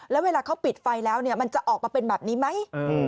แล้วเวลาเขาปิดไฟแล้วมันจะออกมาเป็นแบบนี้ไหม